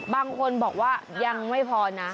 บางคนบอกว่ายังไม่พอนะ